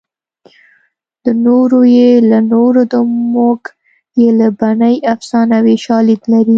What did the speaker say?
د نورو یې له نورو د موږک یې له بنۍ افسانوي شالید لري